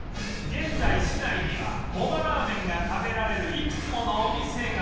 現在市内にはもばらーめんが食べられるいくつものお店が